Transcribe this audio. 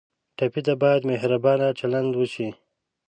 ټپي ته باید مهربانه چلند وشي.